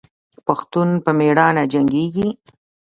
پښتون په میړانه جنګیږي.